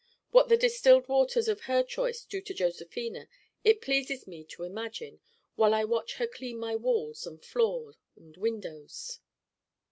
What the distilled waters of her choice do to Josephina it pleases me to imagine while I watch her clean my walls and floor and windows.